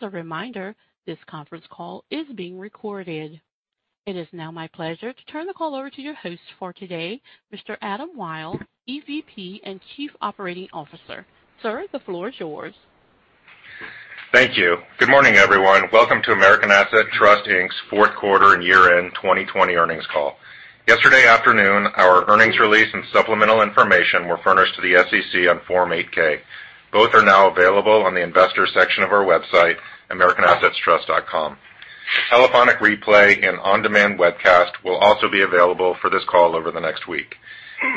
As a reminder, this conference call is being recorded. It is now my pleasure to turn the call over to your host for today, Mr. Adam Wyll, EVP and Chief Operating Officer. Sir, the floor is yours. Thank you. Good morning, everyone. Welcome to American Assets Trust Inc.'s fourth quarter and year-end 2020 earnings call. Yesterday afternoon, our earnings release and supplemental information were furnished to the SEC on Form 8-K. Both are now available on the investor section of our website, americanassetstrust.com. Telephonic replay and on-demand webcast will also be available for this call over the next week.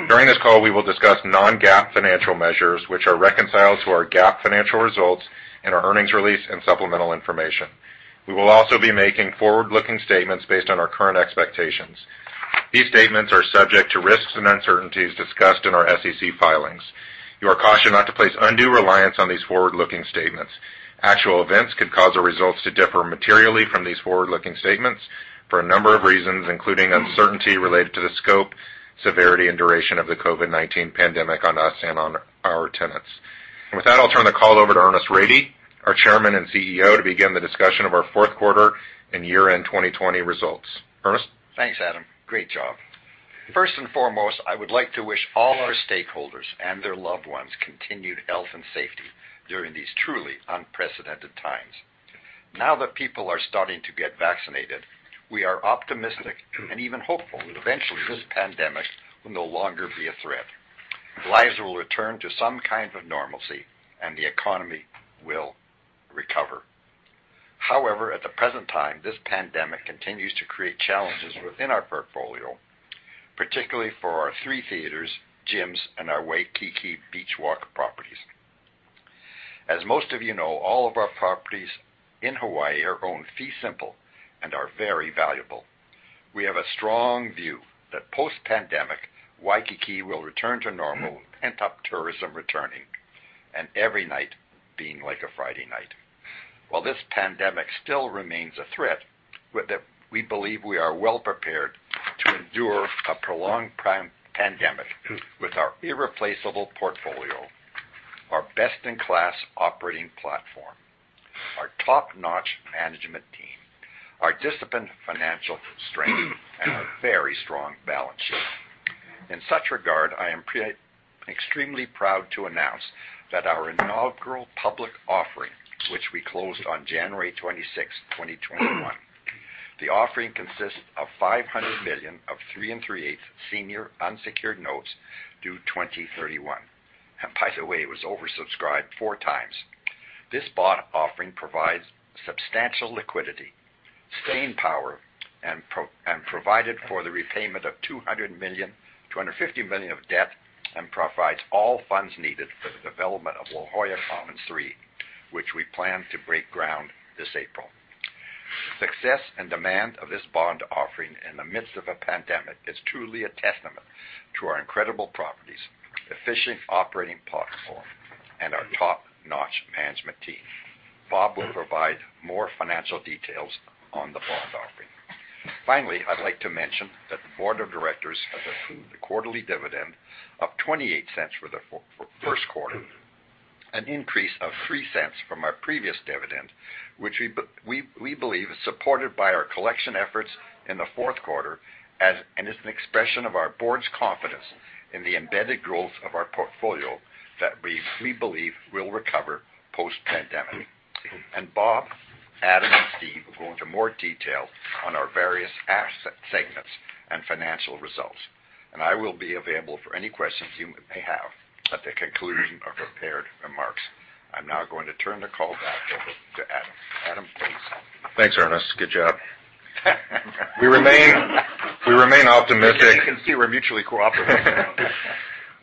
During this call, we will discuss non-GAAP financial measures which are reconciled to our GAAP financial results in our earnings release and supplemental information. We will also be making forward-looking statements based on our current expectations. These statements are subject to risks and uncertainties discussed in our SEC filings. You are cautioned not to place undue reliance on these forward-looking statements. Actual events could cause our results to differ materially from these forward-looking statements for a number of reasons, including uncertainty related to the scope, severity, and duration of the COVID-19 pandemic on us and on our tenants. With that, I'll turn the call over to Ernest Rady, our Chairman and CEO, to begin the discussion of our fourth quarter and year-end 2020 results. Ernest? Thanks, Adam. Great job. First and foremost, I would like to wish all our stakeholders and their loved ones continued health and safety during these truly unprecedented times. Now that people are starting to get vaccinated, we are optimistic and even hopeful that eventually this pandemic will no longer be a threat. Lives will return to some kind of normalcy, and the economy will recover. However, at the present time, this pandemic continues to create challenges within our portfolio, particularly for our three theaters, gyms, and our Waikiki Beach Walk properties. As most of you know, all of our properties in Hawaii are owned fee simple and are very valuable. We have a strong view that post-pandemic, Waikiki will return to normal, pent-up tourism returning, and every night being like a Friday night. While this pandemic still remains a threat, we believe we are well prepared to endure a prolonged pandemic with our irreplaceable portfolio, our best-in-class operating platform, our top-notch management team, our disciplined financial strength, and our very strong balance sheet. In such regard, I am extremely proud to announce our inaugural public offering, which we closed on January 26th, 2021. The offering consists of $500 million of 3 and 3/8 senior unsecured notes due 2031. By the way, it was oversubscribed four times. This bond offering provides substantial liquidity, staying power, and provided for the repayment of $250 million of debt, and provides all funds needed for the development of La Jolla Commons III, which we plan to break ground this April. Success and demand of this bond offering in the midst of a pandemic is truly a testament to our incredible properties, efficient operating platform, and our top-notch management team. Bob will provide more financial details on the bond offering. I'd like to mention that the board of directors has approved a quarterly dividend of $0.28 for the first quarter, an increase of $0.03 from our previous dividend, which we believe is supported by our collection efforts in the fourth quarter, and is an expression of our board's confidence in the embedded growth of our portfolio that we believe will recover post-pandemic. Bob, Adam, and Steve will go into more detail on our various asset segments and financial results. I will be available for any questions you may have at the conclusion of prepared remarks. I'm now going to turn the call back over to Adam. Adam, please. Thanks, Ernest. Good job. We remain optimistic- As you can see, we're mutually cooperative.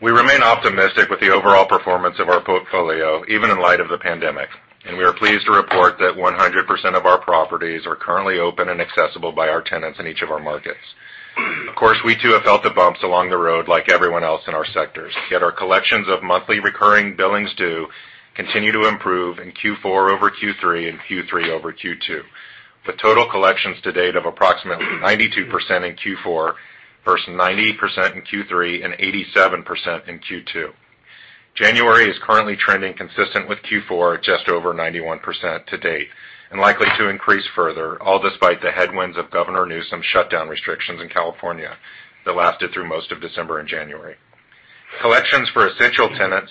We remain optimistic with the overall performance of our portfolio, even in light of the pandemic, and we are pleased to report that 100% of our properties are currently open and accessible by our tenants in each of our markets. Of course, we too have felt the bumps along the road like everyone else in our sectors. Yet our collections of monthly recurring billings due continue to improve in Q4 over Q3 and Q3 over Q2, with total collections to date of approximately 92% in Q4 versus 90% in Q3 and 87% in Q2. January is currently trending consistent with Q4 at just over 91% to date and likely to increase further, all despite the headwinds of Governor Newsom's shutdown restrictions in California that lasted through most of December and January. Collections for essential tenants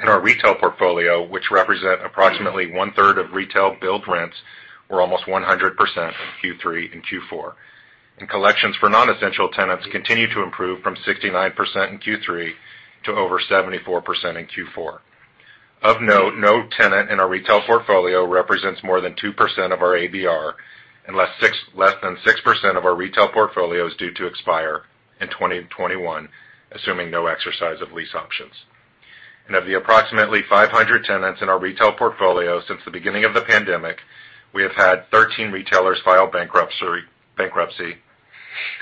in our Retail Portfolio, which represent approximately 1/3 of retail billed rents, were almost 100% in Q3 and Q4. Collections for non-essential tenants continue to improve from 69% in Q3 to over 74% in Q4. Of note, no tenant in our Retail Portfolio represents more than 2% of our ABR, and less than 6% of our Retail Portfolio is due to expire in 2021, assuming no exercise of lease options. Of the approximately 500 tenants in our Retail Portfolio since the beginning of the pandemic, we have had 13 retailers file bankruptcy,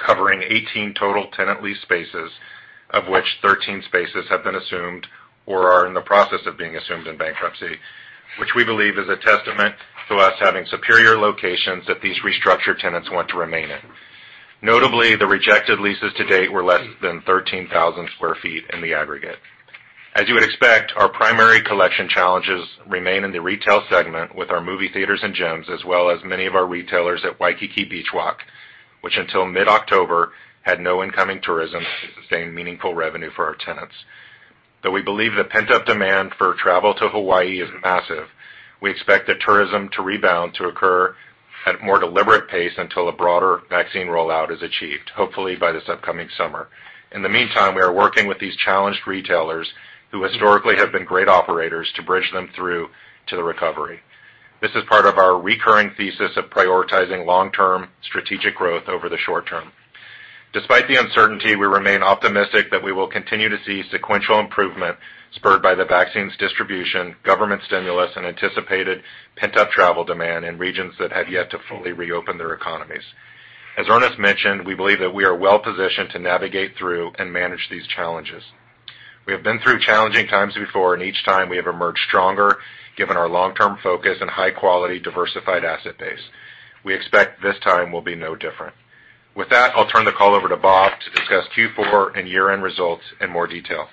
covering 18 total tenant lease spaces, of which 13 spaces have been assumed or are in the process of being assumed in bankruptcy, which we believe is a testament to us having superior locations that these restructured tenants want to remain in. Notably, the rejected leases to date were less than 13,000 square feet in the aggregate. As you would expect, our primary collection challenges remain in the Retail segment with our movie theaters and gyms, as well as many of our retailers at Waikiki Beach Walk, which until mid-October, had no incoming tourism to sustain meaningful revenue for our tenants. Though we believe the pent-up demand for travel to Hawaii is massive, we expect that tourism to rebound to occur at more deliberate pace until a broader vaccine rollout is achieved, hopefully by this upcoming summer. In the meantime, we are working with these challenged retailers who historically have been great operators to bridge them through to the recovery. This is part of our recurring thesis of prioritizing long-term strategic growth over the short-term. Despite the uncertainty, we remain optimistic that we will continue to see sequential improvement spurred by the vaccines distribution, government stimulus, and anticipated pent-up travel demand in regions that have yet to fully reopen their economies. As Ernest mentioned, we believe that we are well-positioned to navigate through and manage these challenges. We have been through challenging times before, and each time we have emerged stronger, given our long-term focus and high-quality diversified asset base. We expect this time will be no different. With that, I'll turn the call over to Bob to discuss Q4 and year-end results in more detail.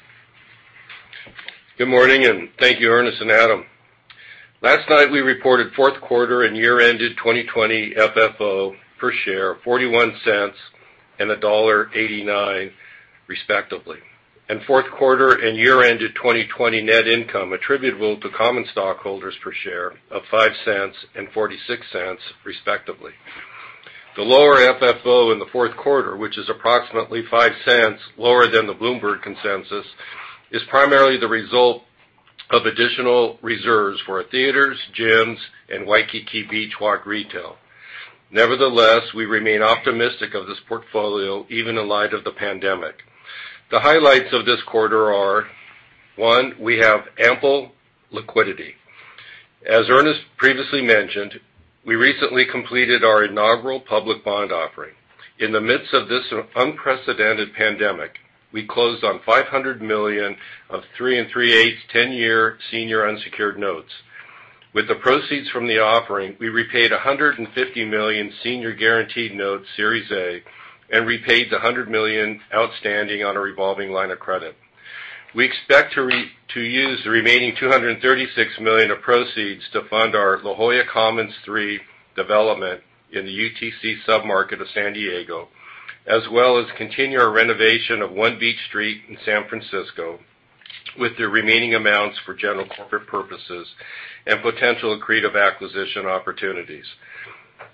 Good morning. Thank you, Ernest and Adam. Last night, we reported fourth quarter and year-ended 2020 FFO per share of $0.41 and $1.89, respectively. Fourth quarter and year-ended 2020 net income attributable to common stockholders per share of $0.05 and $0.46, respectively. The lower FFO in the fourth quarter, which is approximately $0.05 lower than the Bloomberg consensus, is primarily the result of additional reserves for theaters, gyms, and Waikiki Beach Walk retail. Nevertheless, we remain optimistic of this portfolio even in light of the pandemic. The highlights of this quarter are, one, we have ample liquidity. As Ernest previously mentioned, we recently completed our inaugural public bond offering. In the midst of this unprecedented pandemic, we closed on $500 million of 3 and 3/8 10-year senior unsecured notes. With the proceeds from the offering, we repaid $150 million senior guaranteed notes Series A and repaid the $100 million outstanding on a revolving line of credit. We expect to use the remaining $236 million of proceeds to fund our La Jolla Commons III development in the UTC sub-market of San Diego, as well as continue our renovation of One Beach Street in San Francisco with the remaining amounts for general corporate purposes and potential accretive acquisition opportunities.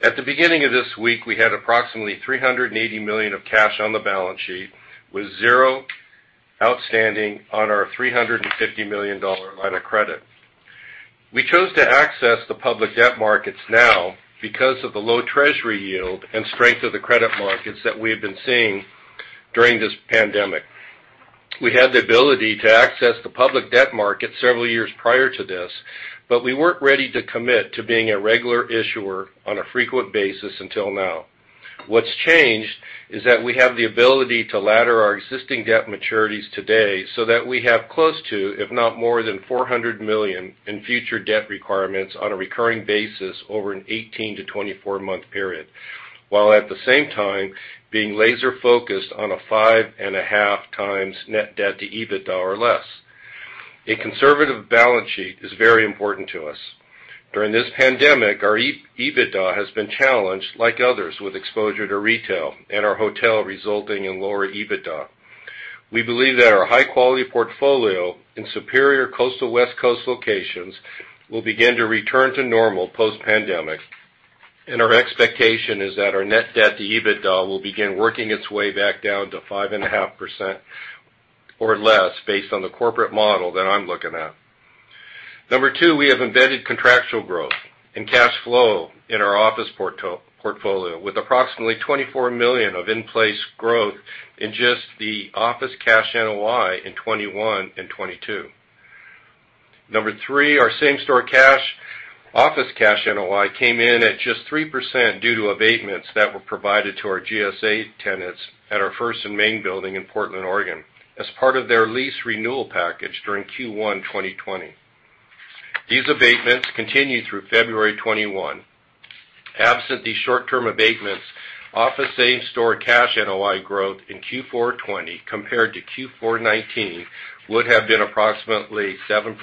At the beginning of this week, we had approximately $380 million of cash on the balance sheet, with zero outstanding on our $350 million line of credit. We chose to access the public debt markets now because of the low Treasury yield and strength of the credit markets that we have been seeing during this pandemic. We had the ability to access the public debt market several years prior to this, but we weren't ready to commit to being a regular issuer on a frequent basis until now. What's changed is that we have the ability to ladder our existing debt maturities today so that we have close to, if not more than $400 million in future debt requirements on a recurring basis over an 18-24-month period, while at the same time being laser-focused on a 5.5x net debt to EBITDA or less. A conservative balance sheet is very important to us. During this pandemic, our EBITDA has been challenged like others with exposure to retail and our hotel resulting in lower EBITDA. We believe that our high-quality portfolio in superior coastal West Coast locations will begin to return to normal post-pandemic, and our expectation is that our net debt to EBITDA will begin working its way back down to 5.5% or less based on the corporate model that I'm looking at. Number two, we have embedded contractual growth and cash flow in our Office Portfolio, with approximately $24 million of in-place growth in just the office cash NOI in 2021 and 2022. Number three, our same-store cash, office cash NOI came in at just 3% due to abatements that were provided to our GSA tenants at our First and Main building in Portland, Oregon, as part of their lease renewal package during Q1 2020. These abatements continued through February 2021. Absent these short-term abatements, office same-store cash NOI growth in Q4 2020 compared to Q4 2019 would have been approximately 7%.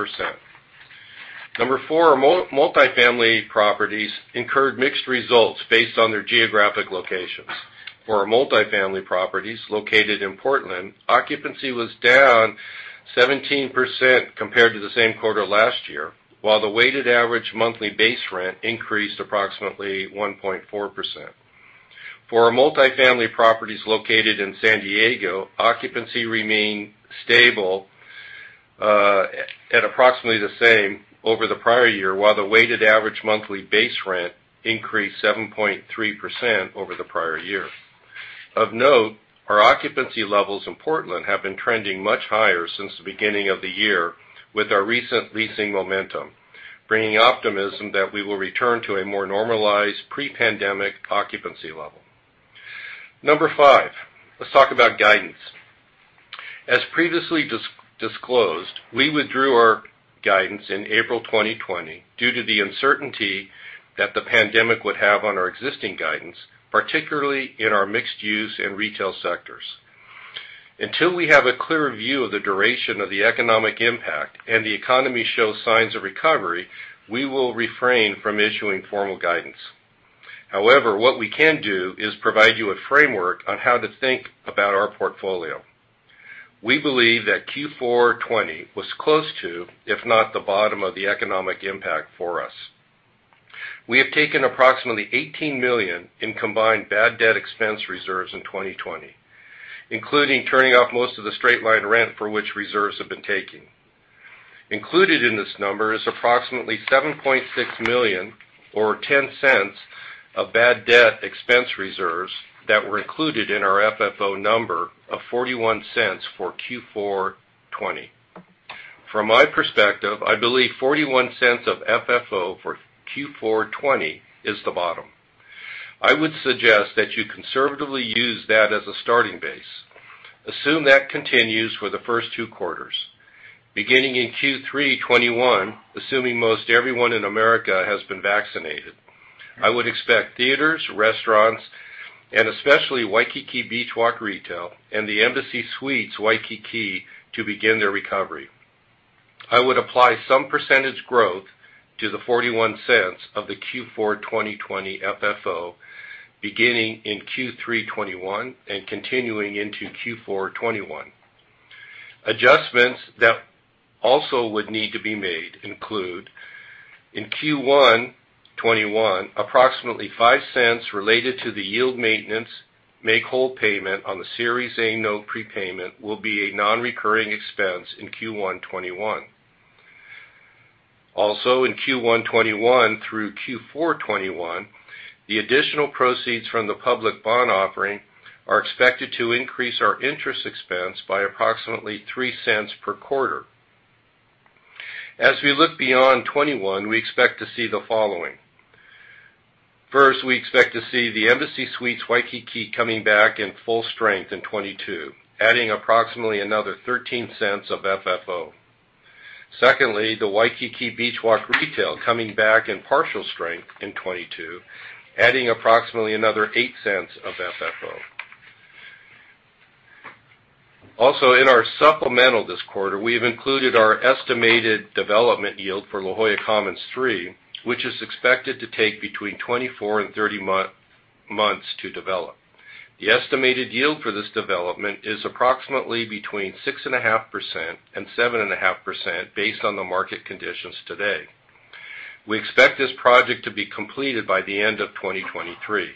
Number four, our Multifamily Properties incurred mixed results based on their geographic locations. For our Multifamily Properties located in Portland, occupancy was down 17% compared to the same quarter last year, while the weighted average monthly base rent increased approximately 1.4%. For our Multifamily Properties located in San Diego, occupancy remained stable at approximately the same over the prior year, while the weighted average monthly base rent increased 7.3% over the prior year. Of note, our occupancy levels in Portland have been trending much higher since the beginning of the year with our recent leasing momentum, bringing optimism that we will return to a more normalized pre-pandemic occupancy level. Number five, let's talk about guidance. As previously disclosed, we withdrew our guidance in April 2020 due to the uncertainty that the pandemic would have on our existing guidance, particularly in our Mixed-Use and Retail sectors. Until we have a clear view of the duration of the economic impact and the economy shows signs of recovery, we will refrain from issuing formal guidance. What we can do is provide you a framework on how to think about our portfolio. We believe that Q4 2020 was close to, if not the bottom of the economic impact for us. We have taken approximately $18 million in combined bad debt expense reserves in 2020, including turning off most of the straight line rent for which reserves have been taking. Included in this number is approximately $7.6 million or $0.10 of bad debt expense reserves that were included in our FFO number of $0.41 for Q4 2020. From my perspective, I believe $0.41 of FFO for Q4 2020 is the bottom. I would suggest that you conservatively use that as a starting base. Assume that continues for the first two quarters. Beginning in Q3 2021, assuming most everyone in America has been vaccinated, I would expect theaters, restaurants, and especially Waikiki Beach Walk retail and the Embassy Suites Waikiki to begin their recovery. I would apply some percentage growth to the $0.41 of the Q4 2020 FFO beginning in Q3 2021 and continuing into Q4 2021. Adjustments that also would need to be made include in Q1 2021, approximately $0.05 related to the yield maintenance make whole payment on the Series A note prepayment will be a non-recurring expense in Q1 2021. In Q1 2021 through Q4 2021, the additional proceeds from the public bond offering are expected to increase our interest expense by approximately $0.03 per quarter. As we look beyond 2021, we expect to see the following. First, we expect to see the Embassy Suites Waikiki coming back in full strength in 2022, adding approximately another $0.13 of FFO. Secondly, the Waikiki Beach Walk retail coming back in partial strength in 2022, adding approximately another $0.08 of FFO. Also, in our supplemental this quarter, we have included our estimated development yield for La Jolla Commons III, which is expected to take between 24 and 30 months to develop. The estimated yield for this development is approximately between 6.5% and 7.5% based on the market conditions today. We expect this project to be completed by the end of 2023.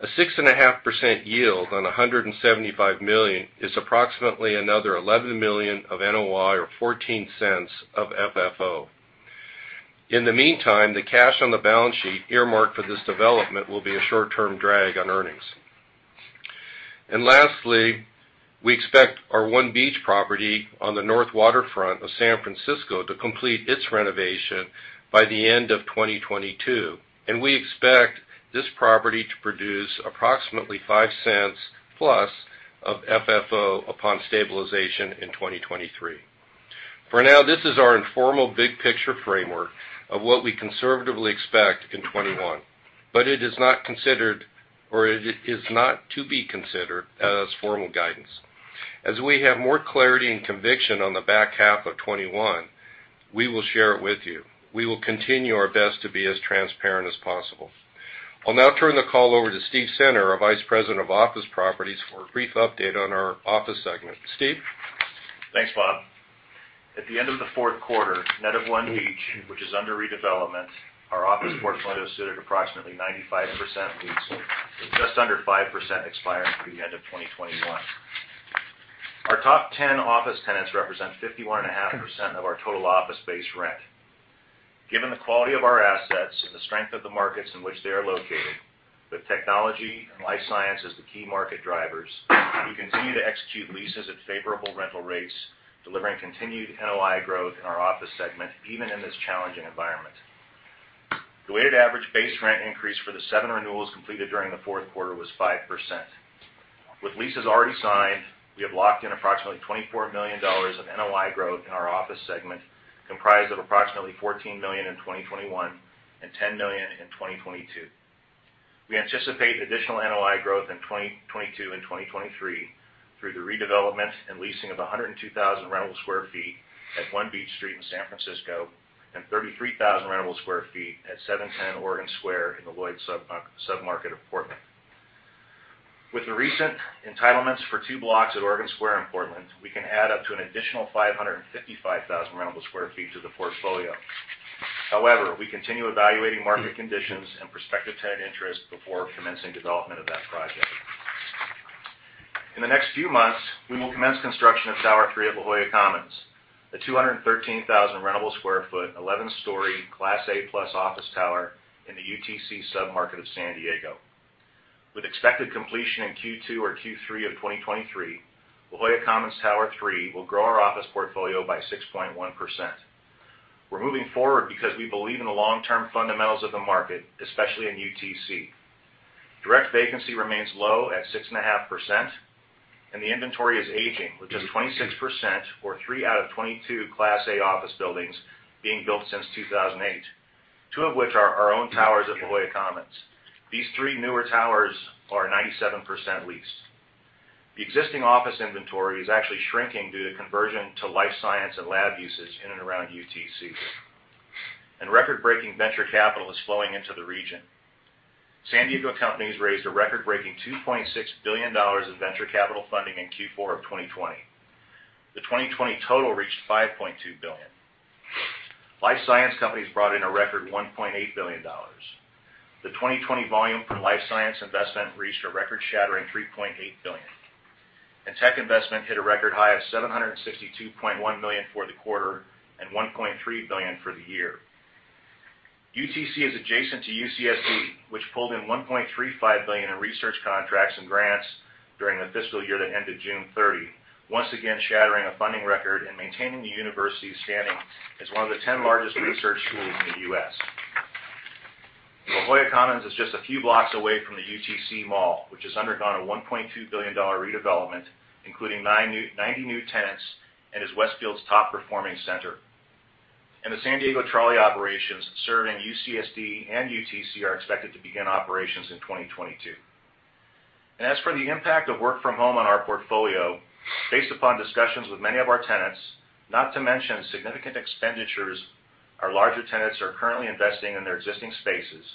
A 6.5% yield on $175 million is approximately another $11 million of NOI or $0.14 of FFO. In the meantime, the cash on the balance sheet earmarked for this development will be a short-term drag on earnings. Lastly, we expect our One Beach property on the north waterfront of San Francisco to complete its renovation by the end of 2022, and we expect this property to produce approximately $0.05+ of FFO upon stabilization in 2023. For now, this is our informal big picture framework of what we conservatively expect in 2021. It is not to be considered as formal guidance. As we have more clarity and conviction on the back half of 2021, we will share it with you. We will continue our best to be as transparent as possible. I'll now turn the call over to Steve Center, our Vice President of Office Properties, for a brief update on our Office segment. Steve? Thanks, Bob. At the end of the fourth quarter, net of One Beach, which is under redevelopment, our Office Portfolio stood at approximately 95% leased, with just under 5% expiring through the end of 2021. Our top 10 office tenants represent 51.5% of our total office base rent. Given the quality of our assets and the strength of the markets in which they are located, with technology and life science as the key market drivers, we continue to execute leases at favorable rental rates, delivering continued NOI growth in our Office segment, even in this challenging environment. The weighted average base rent increase for the seven renewals completed during the fourth quarter was 5%. With leases already signed, we have locked in approximately $24 million of NOI growth in our Office segment, comprised of approximately $14 million in 2021 and $10 million in 2022. We anticipate additional NOI growth in 2022 and 2023 through the redevelopment and leasing of 102,000 rentable square feet at One Beach Street in San Francisco and 33,000 rentable square feet at 710 Oregon Square in the Lloyd sub-market of Portland. With the recent entitlements for two blocks at Oregon Square in Portland, we can add up to an additional 555,000 rentable square feet to the portfolio. However, we continue evaluating market conditions and prospective tenant interest before commencing development of that project. In the next few months, we will commence construction of Tower III at La Jolla Commons, a 213,000 rentable square foot, 11-story, Class A plus office tower in the UTC sub-market of San Diego. With expected completion in Q2 or Q3 of 2023, La Jolla Commons Tower III will grow our Office Portfolio by 6.1%. We're moving forward because we believe in the long-term fundamentals of the market, especially in UTC. Direct vacancy remains low at 6.5%, and the inventory is aging, with just 26%, or three out of 22 Class A office buildings, being built since 2008, two of which are our own towers at La Jolla Commons. These three newer towers are 97% leased. The existing Office inventory is actually shrinking due to conversion to life science and lab uses in and around UTC. Record-breaking venture capital is flowing into the region. San Diego companies raised a record-breaking $2.6 billion of venture capital funding in Q4 of 2020. The 2020 total reached $5.2 billion. Life science companies brought in a record $1.8 billion. The 2020 volume for life science investment reached a record-shattering $3.8 billion. Tech investment hit a record high of $762.1 million for the quarter and $1.3 billion for the year. UTC is adjacent to UCSD, which pulled in $1.35 billion in research contracts and grants during the fiscal year that ended June 30, once again shattering a funding record and maintaining the university's standing as one of the 10 largest research schools in the U.S. La Jolla Commons is just a few blocks away from the UTC Mall, which has undergone a $1.2 billion redevelopment, including 90 new tenants, and is Westfield's top-performing center. The San Diego Trolley operations serving UCSD and UTC are expected to begin operations in 2022. As for the impact of work from home on our portfolio, based upon discussions with many of our tenants, not to mention significant expenditures our larger tenants are currently investing in their existing spaces,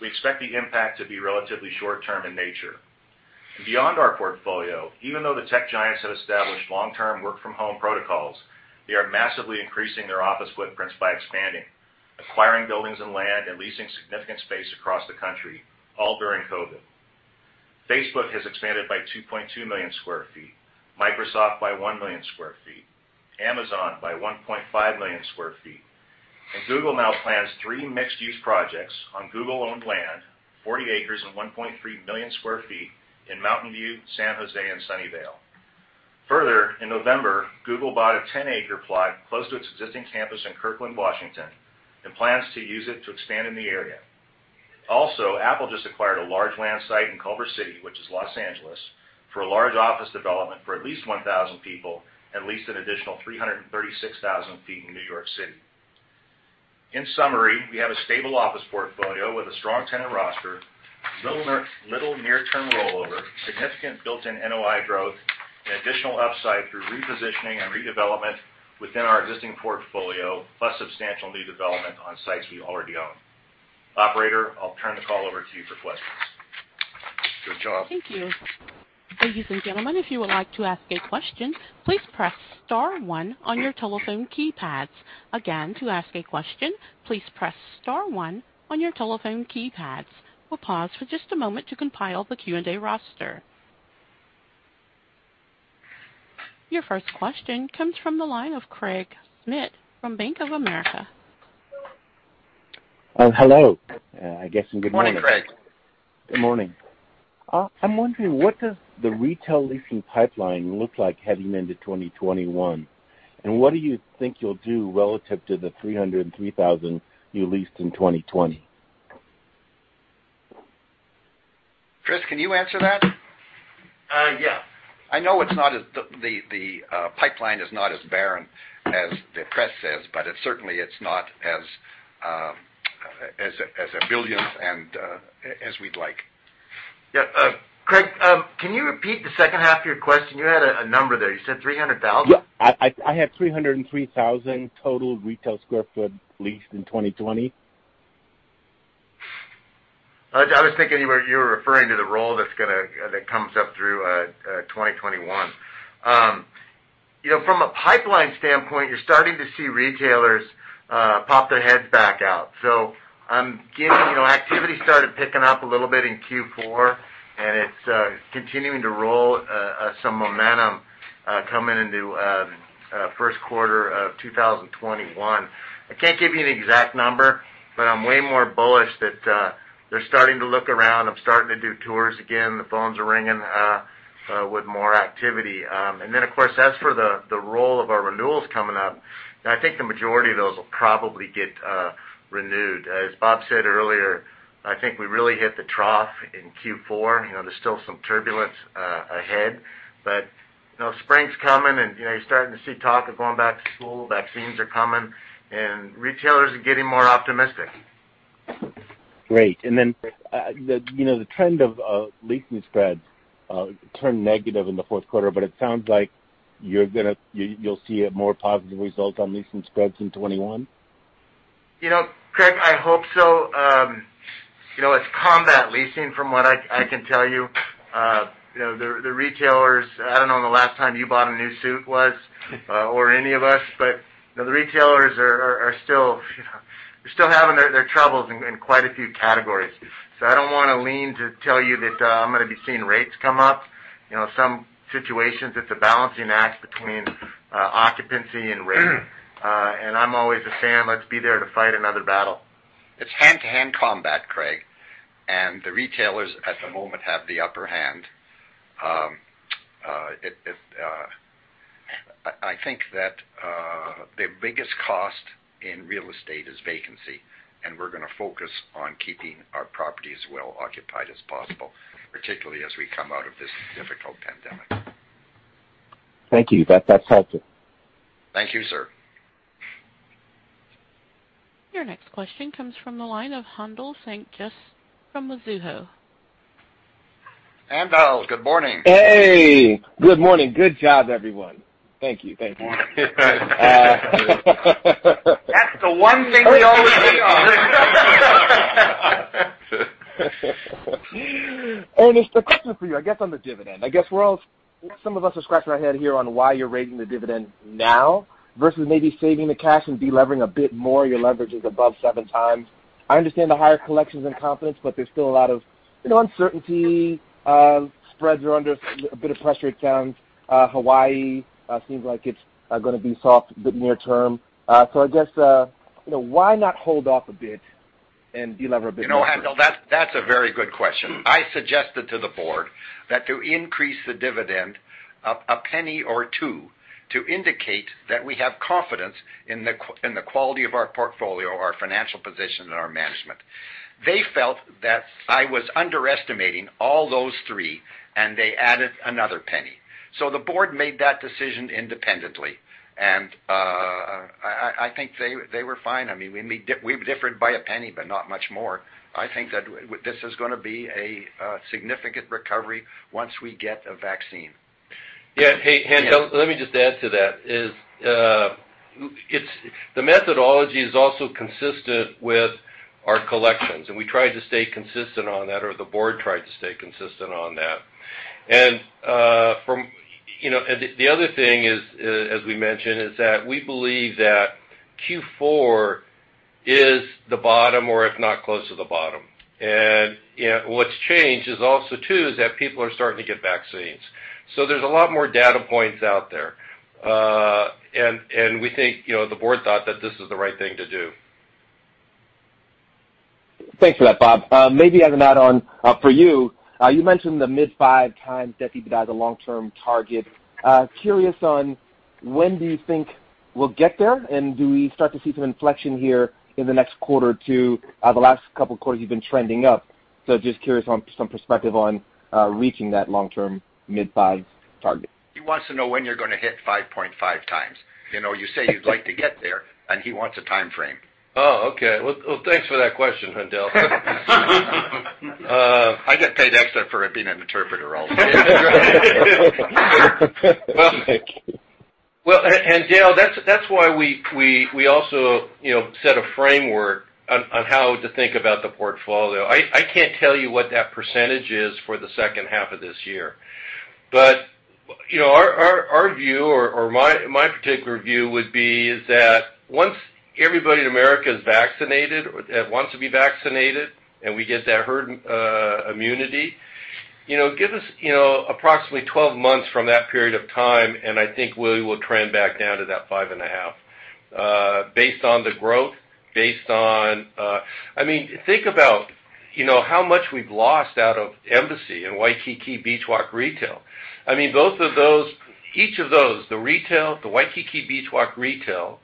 we expect the impact to be relatively short-term in nature. Beyond our portfolio, even though the tech giants have established long-term work from home protocols, they are massively increasing their office footprints by expanding, acquiring buildings and land, and leasing significant space across the country, all during COVID. Facebook has expanded by 2.2 million square feet, Microsoft by 1 million square feet, Amazon by 1.5 million square feet, and Google now plans three mixed-use projects on Google-owned land, 40 acres and 1.3 million square feet in Mountain View, San Jose, and Sunnyvale. Further, in November, Google bought a 10-acre plot close to its existing campus in Kirkland, Washington, and plans to use it to expand in the area. Also, Apple just acquired a large land site in Culver City, which is Los Angeles, for a large office development for at least 1,000 people and leased an additional 336,000 ft in New York City. In summary, we have a stable Office Portfolio with a strong tenant roster, little near-term rollover, significant built-in NOI growth, and additional upside through repositioning and redevelopment within our existing portfolio, plus substantial new development on sites we already own. Operator, I'll turn the call over to you for questions. Good job. Thank you. Ladies and gentlemen, if you would like to ask a question, please press star one on your telephone keypads. Again, to ask a question, please press star one on your telephone keypads. We'll pause for just a moment to compile the Q&A roster. Your first question comes from the line of Craig Schmidt from Bank of America. Hello, I guess, and good morning. Morning, Craig. Good morning. I'm wondering, what does the retail leasing pipeline look like heading into 2021? What do you think you'll do relative to the 303,000 you leased in 2020? Chris, can you answer that? Yeah. I know the pipeline is not as barren as the press says, but certainly it's not as brilliant as we'd like. Yeah. Craig, can you repeat the second half of your question? You had a number there. You said 300,000? Yeah. I had 303,000 total retail square feet leased in 2020. I was thinking you were referring to the roll that comes up through 2021. From a pipeline standpoint, you're starting to see retailers pop their heads back out. Activity started picking up a little bit in Q4, and it's continuing to roll some momentum coming into first quarter of 2021. I can't give you an exact number, but I'm way more bullish that they're starting to look around and starting to do tours again. The phones are ringing with more activity. Of course, as for the roll of our renewals coming up, I think the majority of those will probably get renewed. As Bob said earlier, I think we really hit the trough in Q4. There's still some turbulence ahead, but spring's coming, and you're starting to see talk of going back to school. Vaccines are coming, and retailers are getting more optimistic. Great. Then, the trend of leasing spreads turned negative in the fourth quarter, but it sounds like you'll see a more positive result on leasing spreads in 2021? Craig, I hope so. It's combat leasing from what I can tell you. The retailers, I don't know when the last time you bought a new suit was, or any of us, the retailers are still having their troubles in quite a few categories. I don't want to lean to tell you that I'm going to be seeing rates come up. Some situations, it's a balancing act between occupancy and rate. I'm always a fan. Let's be there to fight another battle. It's hand-to-hand combat, Craig, and the retailers, at the moment, have the upper hand. I think that the biggest cost in real estate is vacancy, and we're going to focus on keeping our properties well occupied as possible, particularly as we come out of this difficult pandemic. Thank you. That's helpful. Thank you, sir. Your next question comes from the line of Haendel St. Juste from Mizuho. Haendel, good morning. Hey. Good morning. Good job, everyone. Thank you. That's the one thing we always get. Ernest, a question for you, I guess, on the dividend. I guess we're all Some of us are scratching our head here on why you're raising the dividend now versus maybe saving the cash and de-levering a bit more. Your leverage is above seven times. I understand the higher collections and confidence, but there's still a lot of uncertainty. Spreads are under a bit of pressure, it sounds. Hawaii seems like it's going to be soft but near-term. I guess, why not hold off a bit and de-lever a bit more? You know, Haendel, that's a very good question. I suggested to the board that to increase the dividend $0.01 or $0.02 to indicate that we have confidence in the quality of our portfolio, our financial position, and our management. They felt that I was underestimating all those three, and they added another $0.01. The board made that decision independently, and I think they were fine. We differed by $0.01, but not much more. I think that this is going to be a significant recovery once we get a vaccine. Yeah. Hey, Haendel. Yeah. Let me just add to that. The methodology is also consistent with our collections, and we tried to stay consistent on that, or the board tried to stay consistent on that. The other thing, as we mentioned, is that we believe that Q4 is the bottom, or if not, close to the bottom. What's changed is also too, is that people are starting to get vaccines. There's a lot more data points out there. We think the board thought that this is the right thing to do. Thanks for that, Bob. Maybe as an add-on for you. You mentioned the mid-5x debt EBITDA as a long-term target. Curious on when do you think we'll get there, and do we start to see some inflection here in the next quarter or two? The last couple of quarters, you've been trending up. Just curious on some perspective on reaching that long-term mid-five target. He wants to know when you're going to hit 5.5x. You say you'd like to get there, and he wants a timeframe. Oh, okay. Well, thanks for that question, Haendel. I get paid extra for being an interpreter also. Thank you. Well, Haendel, that's why we also set a framework on how to think about the portfolio. I can't tell you what that percentage is for the second half of this year. Our view, or my particular view would be, is that once everybody in America is vaccinated or wants to be vaccinated, and we get that herd immunity, give us approximately 12 months from that period of time, and I think we will trend back down to that five and a half. Based on the growth. Think about how much we've lost out of Embassy and Waikiki Beach Walk retail. Each of those, the retail, the Waikiki Beach Walk retail,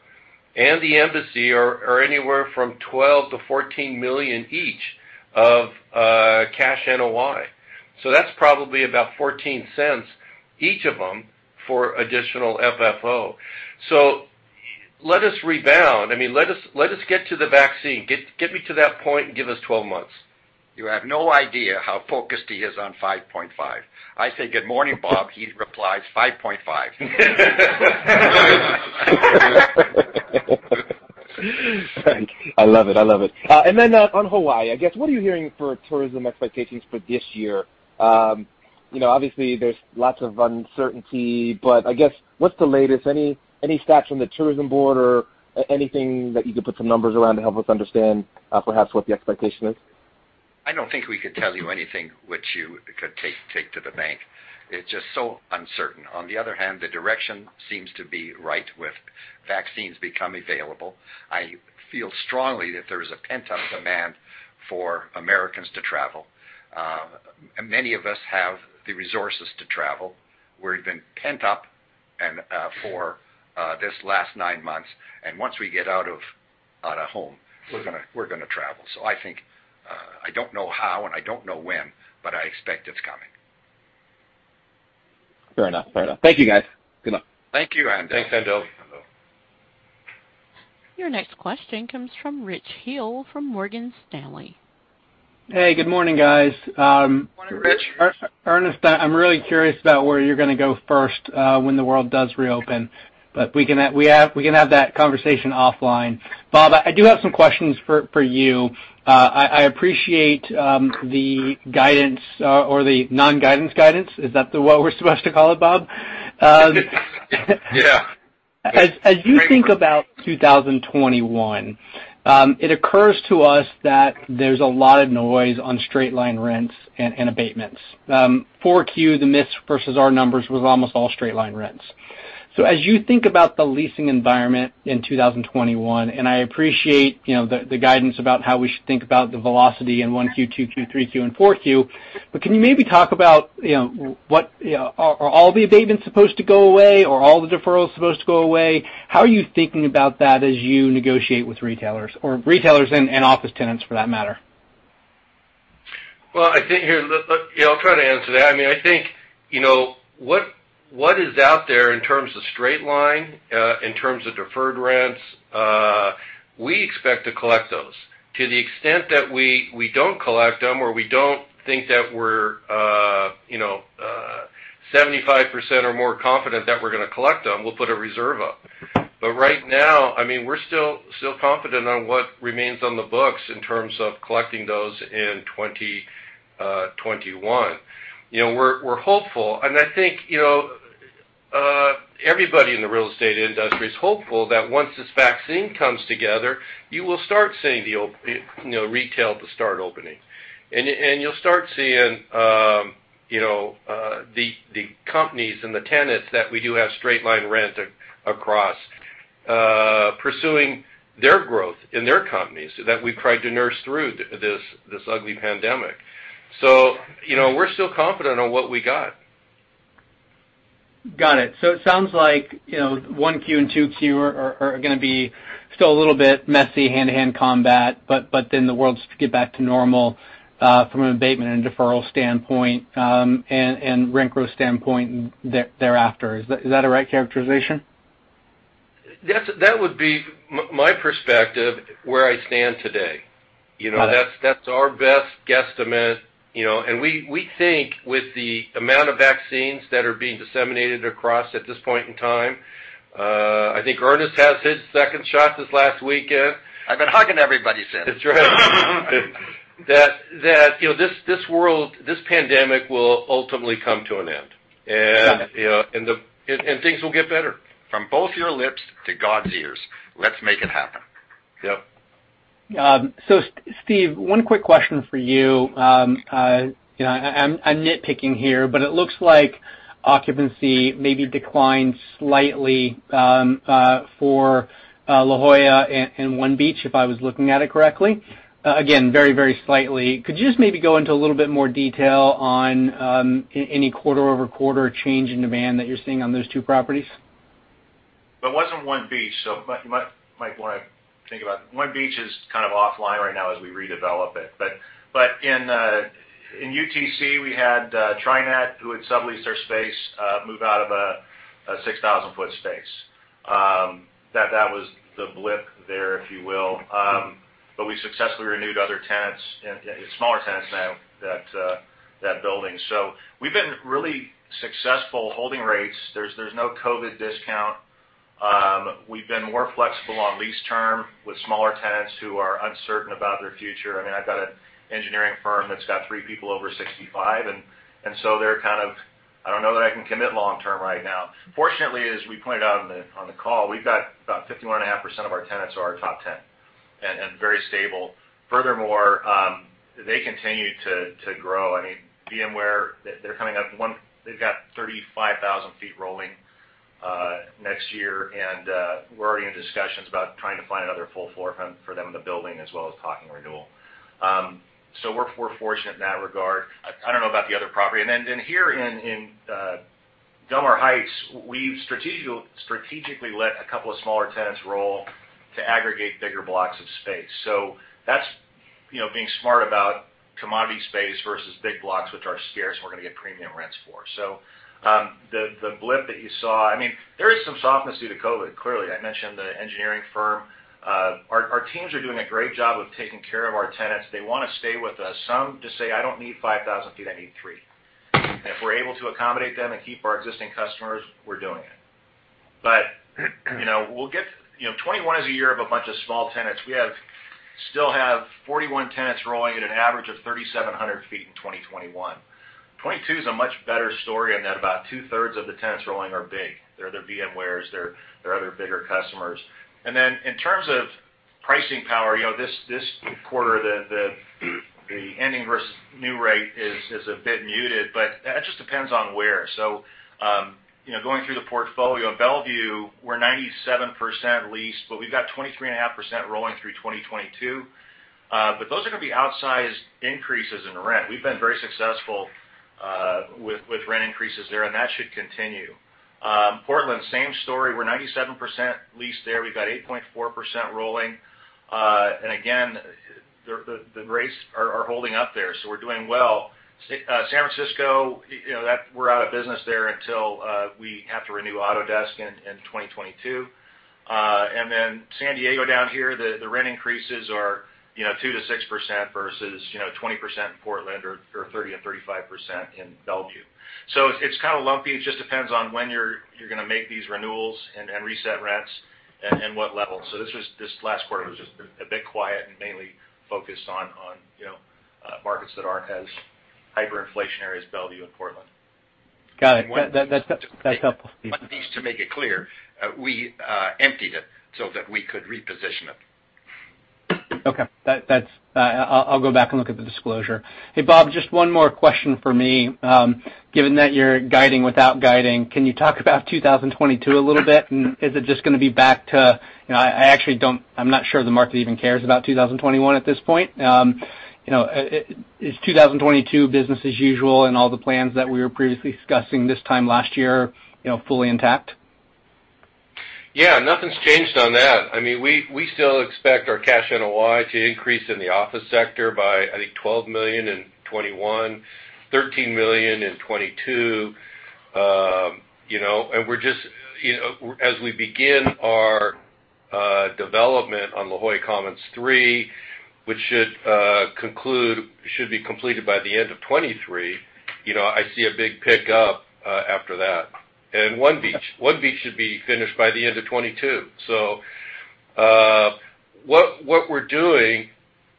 and the Embassy are anywhere from $12 million-$14 million each of cash NOI. That's probably about $0.14 each of them for additional FFO. Let us rebound. Let us get to the vaccine. Get me to that point and give us 12 months. You have no idea how focused he is on 5.5. I say, "Good morning, Bob." He replies, "5.5. Thanks. I love it. Then on Hawaii, I guess, what are you hearing for tourism expectations for this year? Obviously, there's lots of uncertainty, but I guess, what's the latest? Any stats from the tourism board or anything that you could put some numbers around to help us understand perhaps what the expectation is? I don't think we could tell you anything which you could take to the bank. It's just so uncertain. The direction seems to be right with vaccines become available. I feel strongly that there is a pent-up demand for Americans to travel. Many of us have the resources to travel. We've been pent up for this last nine months, and once we get out of home, we're going to travel. I think, I don't know how, and I don't know when, but I expect it's coming. Fair enough. Thank you, guys. Good luck. Thank you, Haendel. Thanks, Haendel. Your next question comes from Rich Hill, from Morgan Stanley. Hey, good morning, guys. Morning, Rich. Ernest, I'm really curious about where you're going to go first when the world does reopen, but we can have that conversation offline. Bob, I do have some questions for you. I appreciate the guidance or the non-guidance guidance. Is that what we're supposed to call it, Bob? Yeah. As you think about 2021, it occurs to us that there's a lot of noise on straight line rents and abatements. 4Q, the myths versus our numbers was almost all straight line rents. As you think about the leasing environment in 2021, I appreciate the guidance about how we should think about the velocity in 1Q, 2Q, 3Q, and 4Q. Can you maybe talk about are all the abatements supposed to go away, or all the deferrals supposed to go away? How are you thinking about that as you negotiate with retailers? Or retailers and office tenants for that matter? Well, I think here, I'll try to answer that. What is out there in terms of straight line, in terms of deferred rents, we expect to collect those. To the extent that we don't collect them, or we don't think that we're 75% or more confident that we're going to collect them, we'll put a reserve up. Right now, we're still confident on what remains on the books in terms of collecting those in 2021. We're hopeful, and I think, everybody in the real estate industry is hopeful that once this vaccine comes together, you will start seeing retail to start opening. You'll start seeing the companies and the tenants that we do have straight line rent across pursuing their growth in their companies, so that we've tried to nurse through this ugly pandemic. We're still confident on what we got. Got it. It sounds like 1Q and 2Q are going to be still a little bit messy hand-to-hand combat, but then the world should get back to normal, from an abatement and deferral standpoint, and rent growth standpoint thereafter. Is that a right characterization? That would be my perspective, where I stand today. Got it. That's our best guesstimate. We think with the amount of vaccines that are being disseminated across at this point in time, I think Ernest has his second shot this last weekend. I've been hugging everybody since. That's right. That this world, this pandemic will ultimately come to an end. Got it. Things will get better. From both your lips to God's ears, let's make it happen. Yep. Steve, one quick question for you. I'm nitpicking here, but it looks like occupancy maybe declined slightly, for La Jolla and One Beach, if I was looking at it correctly. Again, very, very slightly. Could you just maybe go into a little bit more detail on any quarter-over-quarter change in demand that you're seeing on those two properties? It wasn't One Beach. You might want to think about One Beach is kind of offline right now as we redevelop it. In UTC, we had TriNet, who had subleased our space, move out of a 6,000-ft space. That was the blip there, if you will. We successfully renewed other tenants, smaller tenants now, that building. We've been really successful holding rates. There's no COVID discount. We've been more flexible on lease term with smaller tenants who are uncertain about their future. I've got an engineering firm that's got three people over 65, and so they're kind of, "I don't know that I can commit long-term right now." Fortunately, as we pointed out on the call, we've got about 51.5% of our tenants are our Top 10, and very stable. Furthermore, they continue to grow. VMware, they've got 35,000 feet rolling, next year. We're already in discussions about trying to find another full floor for them in the building, as well as talking renewal. We're fortunate in that regard. I don't know about the other property. Here in Del Mar Heights, we've strategically let a couple of smaller tenants roll to aggregate bigger blocks of space. That's being smart about commodity space versus big blocks, which are scarce, and we're going to get premium rents for. The blip that you saw, there is some softness due to COVID, clearly. I mentioned the engineering firm. Our teams are doing a great job of taking care of our tenants. They want to stay with us. Some just say, "I don't need 5,000 ft, I need three." If we're able to accommodate them and keep our existing customers, we're doing it. 2021 is a year of a bunch of small tenants. We still have 41 tenants rolling at an average of 3,700 ft in 2021. 2022 is a much better story in that about 2/3 of the tenants rolling are big. They're the VMwares, they're other bigger customers. In terms of pricing power, this quarter, the ending versus new rate is a bit muted, that just depends on where. Going through the portfolio, Bellevue, we're 97% leased, we've got 23.5% rolling through 2022. Those are going to be outsized increases in rent. We've been very successful with rent increases there, and that should continue. Portland, same story. We're 97% leased there. We've got 8.4% rolling. Again, the rates are holding up there, we're doing well. San Francisco, we're out of business there until we have to renew Autodesk in 2022. San Diego down here, the rent increases are 2%-6% versus 20% in Portland or 30% and 35% in Bellevue. It's kind of lumpy. It just depends on when you're going to make these renewals and reset rents, and what level. This last quarter was just a bit quiet and mainly focused on markets that aren't as hyperinflationary as Bellevue and Portland. Got it. That's helpful. One piece to make it clear, we emptied it so that we could reposition it. Okay. I'll go back and look at the disclosure. Hey, Bob, just one more question for me. Given that you're guiding without guiding, can you talk about 2022 a little bit? Is it just going to be back to I'm not sure the market even cares about 2021 at this point. Is 2022 business as usual, and all the plans that we were previously discussing this time last year fully intact? Yeah, nothing's changed on that. We still expect our cash NOI to increase in the Office sector by, I think, $12 million in 2021, $13 million in 2022. As we begin our development on La Jolla Commons III, which should be completed by the end of 2023, I see a big pickup after that. One Beach should be finished by the end of 2022. What we're doing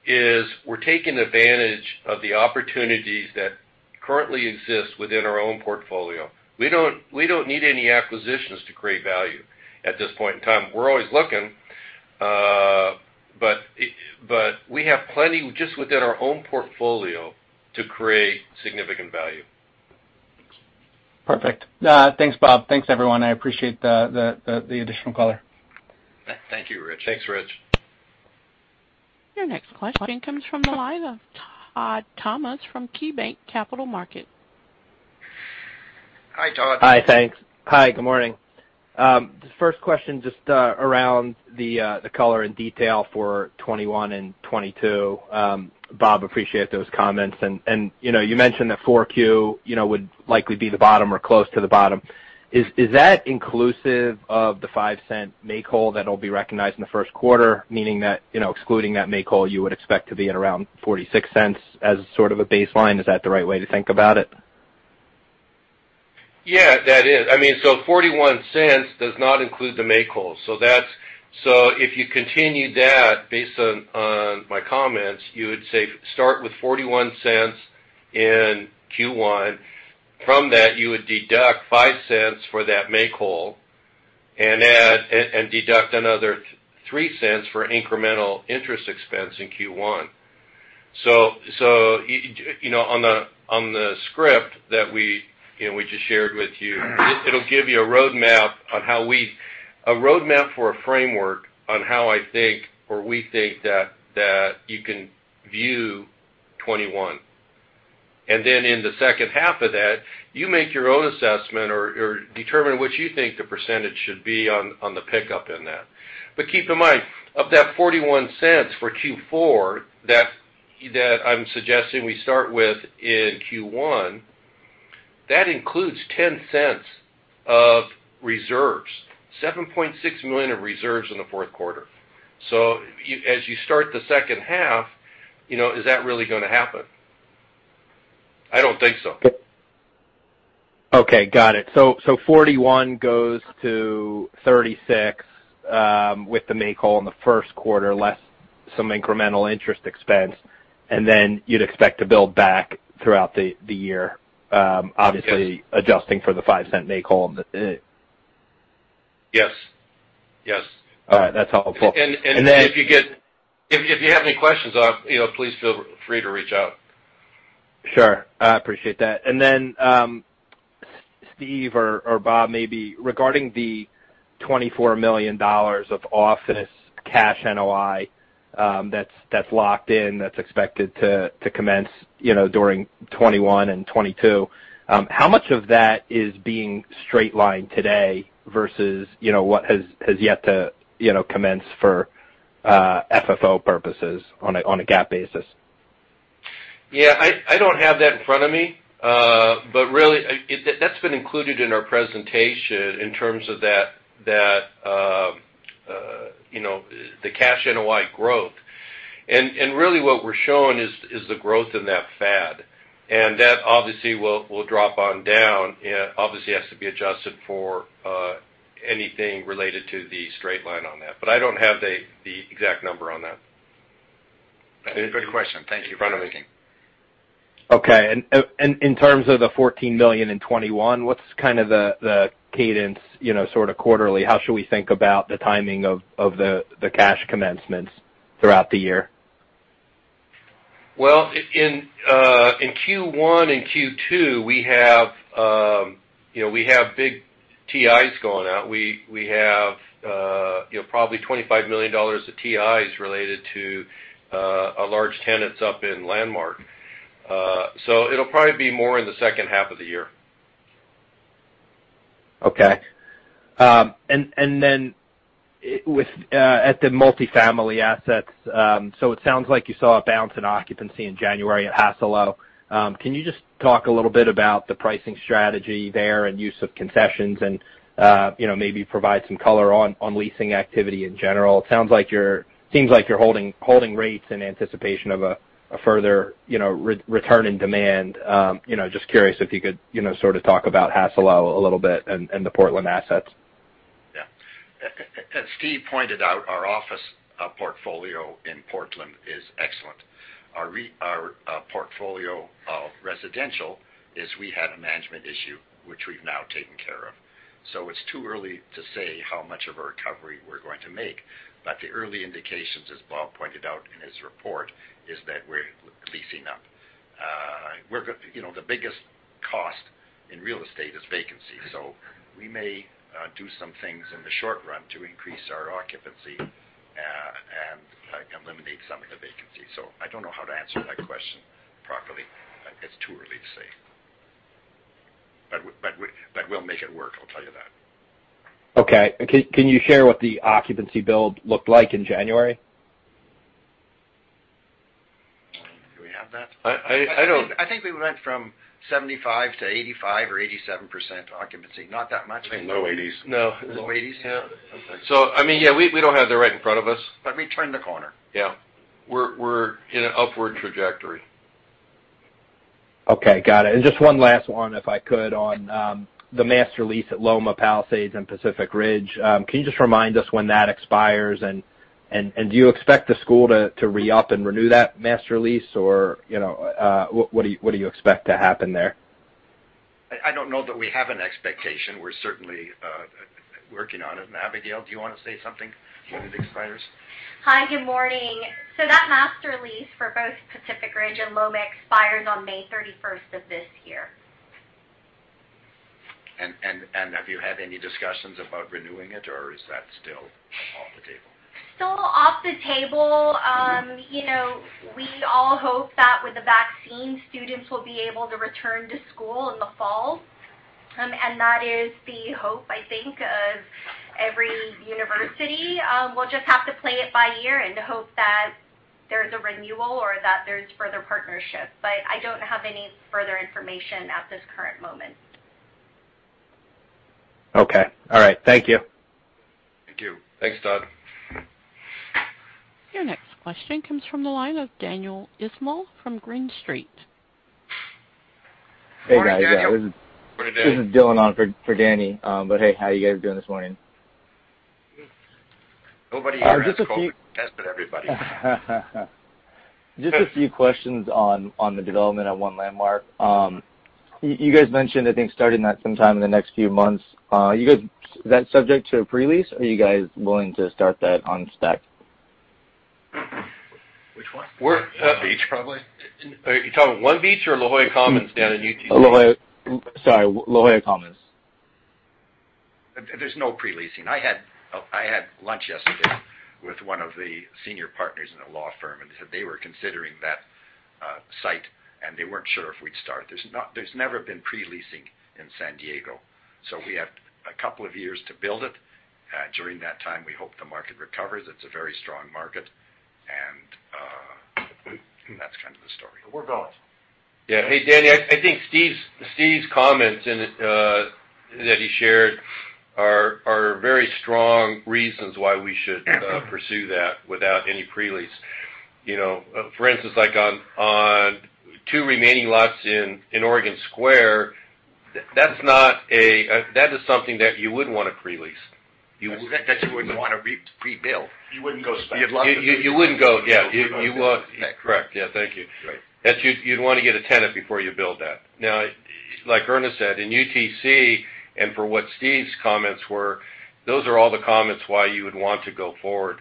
is we're taking advantage of the opportunities that currently exist within our own portfolio. We don't need any acquisitions to create value at this point in time. We're always looking, but we have plenty just within our own portfolio to create significant value. Perfect. Thanks, Bob. Thanks, everyone. I appreciate the additional color. Thank you, Rich. Thanks, Rich. Your next question comes from the line of Todd Thomas from KeyBanc Capital Markets. Hi, Todd. Hi. Thanks. Hi, good morning. First question just around the color and detail for 2021 and 2022. Bob, appreciate those comments. You mentioned that 4Q would likely be the bottom or close to the bottom. Is that inclusive of the $0.05 make-whole that'll be recognized in the first quarter, meaning that excluding that make-whole, you would expect to be at around $0.46 as sort of a baseline? Is that the right way to think about it? That is. $0.41 does not include the make-whole. If you continued that based on my comments, you would, say, start with $0.41 in Q1. From that, you would deduct $0.05 for that make-whole, and deduct another $0.03 for incremental interest expense in Q1. On the script that we just shared with you, it'll give you a roadmap for a framework on how I think, or we think that you can view 2021. In the second half of that, you make your own assessment or determine what you think the percentage should be on the pickup in that. Keep in mind, of that $0.41 for Q4 that I'm suggesting we start with in Q1, that includes $0.10 of reserves, $7.6 million of reserves in the fourth quarter. As you start the second half, is that really going to happen? I don't think so. Okay, got it. $41 goes to $36 with the make-whole in the first quarter, less some incremental interest expense, and then you'd expect to build back throughout the year. Yes. Obviously adjusting for the $0.05 make-whole. Yes. All right. That's helpful. If you have any questions, please feel free to reach out. Sure. I appreciate that. Steve or Bob maybe, regarding the $24 million of office cash NOI that's locked in, that's expected to commence during 2021 and 2022. How much of that is being straight-lined today versus what has yet to commence for FFO purposes on a GAAP basis? Yeah, I don't have that in front of me. Really, that's been included in our presentation in terms of the cash NOI growth. Really what we're showing is the growth in that FAD, and that obviously will drop on down. Obviously has to be adjusted for anything related to the straight line on that. I don't have the exact number on that. That's a good question. Thank you for asking. Okay. In terms of the $14 million in 2021, what's kind of the cadence sort of quarterly? How should we think about the timing of the cash commencements throughout the year? Well, in Q1 and Q2, we have big TIs going out. We have probably $25 million of TIs related to our large tenants up in Landmark. It'll probably be more in the second half of the year. Okay. At the Multifamily assets, so it sounds like you saw a bounce in occupancy in January at Hassalo. Can you just talk a little bit about the pricing strategy there and use of concessions and maybe provide some color on leasing activity in general? Seems like you're holding rates in anticipation of a further return in demand. Just curious if you could sort of talk about Hassalo a little bit and the Portland assets. Yeah. As Steve pointed out, our portfolio of residential is we had a management issue, which we've now taken care of. It's too early to say how much of a recovery we're going to make. The early indications, as Bob pointed out in his report, is that we're leasing up. The biggest cost in real estate is vacancy, so we may do some things in the short run to increase our occupancy and eliminate some of the vacancy. I don't know how to answer that question properly. It's too early to say. We'll make it work, I'll tell you that. Okay. Can you share what the occupancy build looked like in January? Do we have that? I don't- I think we went from 75%-85% or 87% occupancy. Not that much. I think low 80s. No. Low 80s? Yeah. Okay. We don't have that right in front of us. We turned the corner. Yeah. We're in an upward trajectory. Okay, got it. Just one last one, if I could, on the master lease at Loma Palisades and Pacific Ridge. Can you just remind us when that expires, and do you expect the school to re-up and renew that master lease, or what do you expect to happen there? I don't know that we have an expectation. We're certainly working on it. Abigail, do you want to say something when it expires? Hi, good morning. That master lease for both Pacific Ridge and Loma expires on May 31st of this year. Have you had any discussions about renewing it, or is that still off the table? Still off the table. We all hope that with the vaccine, students will be able to return to school in the fall. That is the hope, I think, of every university. We'll just have to play it by ear and hope that there's a renewal or that there's further partnership. I don't have any further information at this current moment. Okay. All right. Thank you. Thank you. Thanks, Todd. Your next question comes from the line of Daniel Ismail from Green Street. Morning, Daniel. Hey, guys. Good day. This is Dylan on for Danny. Hey, how you guys doing this morning? Nobody here has COVID. We tested everybody. Just a few questions on the development of One Landmark. You guys mentioned, I think, starting that sometime in the next few months. Is that subject to a pre-lease, or are you guys willing to start that on spec? Which one? One Beach probably. Are you talking One Beach or La Jolla Commons down in UTC? Sorry, La Jolla Commons. There's no pre-leasing. I had lunch yesterday with one of the senior partners in a law firm, and they said they were considering that site, and they weren't sure if we'd start. There's never been pre-leasing in San Diego, so we have a couple of years to build it. During that time, we hope the market recovers. It's a very strong market, and that's kind of the story. We're going. Yeah. Hey, Danny. I think Steve's comments that he shared are very strong reasons why we should pursue that without any pre-lease. For instance, on two remaining lots in Oregon Square, that is something that you would want to pre-lease. That you wouldn't want to pre-build. You wouldn't go spec. You wouldn't go Yeah. Correct. Yeah. Thank you. Right. You'd want to get a tenant before you build that. Now, like Ernest said, in UTC, and for what Steve's comments were, those are all the comments why you would want to go forward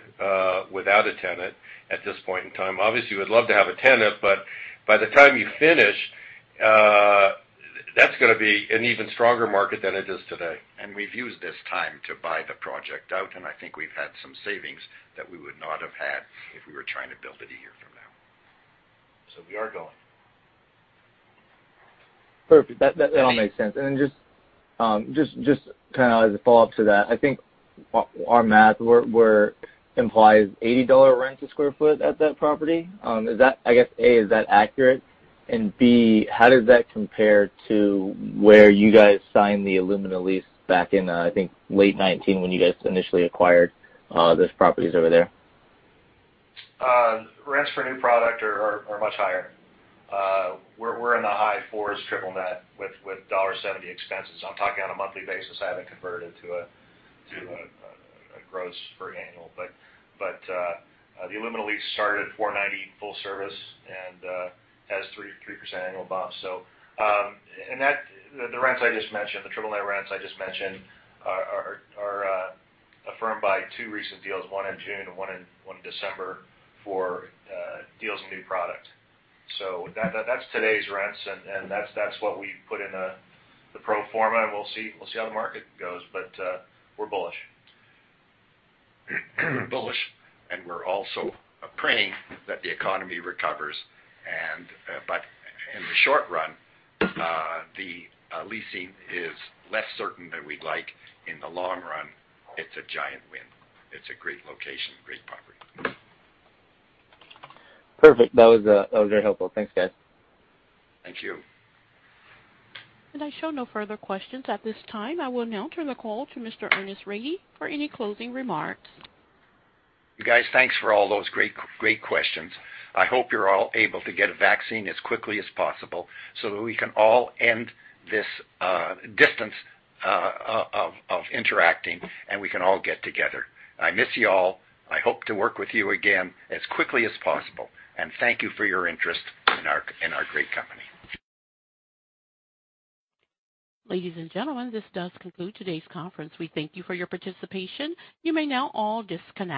without a tenant at this point in time. Obviously, we'd love to have a tenant, but by the time you finish, that's going to be an even stronger market than it is today. We've used this time to buy the project out, and I think we've had some savings that we would not have had if we were trying to build it a year from now. We are going. Perfect. That all makes sense. Just as a follow-up to that, I think our math implies $80 a square foot at that property. A, is that accurate, and B, how does that compare to where you guys signed the Illumina lease back in, I think, late 2019 when you guys initially acquired those properties over there? Rents for new product are much higher. We're in the high fours triple net, with $1.70 expenses. I'm talking on a monthly basis. I haven't converted it to a gross per annual. The Illumina lease started at $490 full service and has 3% annual bumps. The rents I just mentioned, the triple net rents I just mentioned, are affirmed by two recent deals, one in June and one in December, for deals on new product. That's today's rents, and that's what we put in the pro forma, and we'll see how the market goes. We're bullish. We're bullish. We're also praying that the economy recovers. In the short run, the leasing is less certain than we'd like. In the long run, it's a giant win. It's a great location, great property. Perfect. That was very helpful. Thanks, guys. Thank you. I show no further questions at this time. I will now turn the call to Mr. Ernest Rady for any closing remarks. Guys, thanks for all those great questions. I hope you're all able to get a vaccine as quickly as possible so that we can all end this distance of interacting, and we can all get together. I miss you all. I hope to work with you again as quickly as possible. Thank you for your interest in our great company. Ladies and gentlemen, this does conclude today's conference. We thank you for your participation. You may now all disconnect.